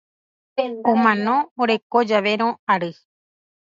Omano oreko javérõ ary.